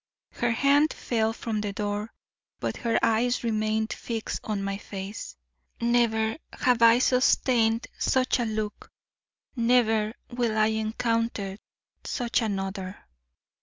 Her hand fell from the door, but her eyes remained fixed on my face. Never have I sustained such a look; never will I encounter such another.